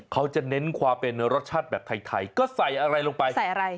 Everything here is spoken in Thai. เขาจะเน้นความเป็นรสชาติแบบไทยก็ใส่อะไรลงไปใส่อะไร